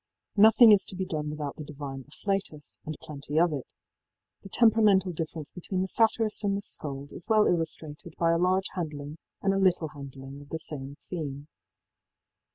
Nothing is to be done without the divine afflatus, and plenty of it. The temperamental difference between the satirist and the scold is well illustrated by a large handling and a little handling of the same theme.